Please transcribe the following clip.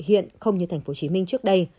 hiện không như thành phố chí minh trước đây